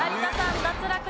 脱落。